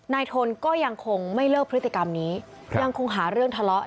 ทนก็ยังคงไม่เลิกพฤติกรรมนี้ยังคงหาเรื่องทะเลาะ